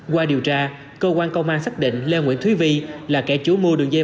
qua điều tra cơ quan công an xác định lê nguyễn thúy vi là kẻ chủ mua đường dây